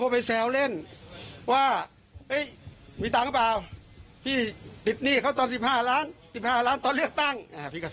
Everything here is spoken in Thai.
พวกนาย